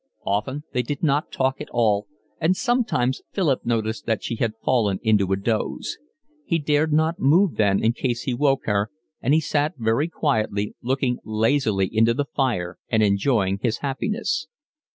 Often they did not talk at all, and sometimes Philip noticed that she had fallen into a doze. He dared not move then in case he woke her, and he sat very quietly, looking lazily into the fire and enjoying his happiness.